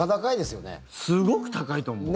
すごく高いと思う。